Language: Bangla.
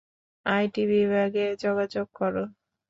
আইটি বিভাগে যোগাযোগ কর।